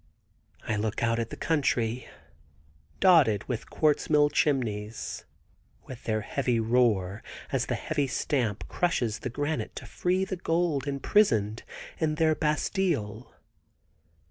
I look out at the country, dotted with quartz mill chimneys, with their heavy roar, as the heavy stamp crushes the granite to free the gold imprisoned in their bastille.